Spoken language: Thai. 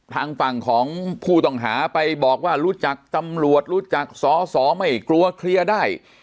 ทางฝั่งของผู้ต้องหาไปบอกว่ารู้จักตำรวจรู้จักสอสอไม่กลัวเคลียร์ได้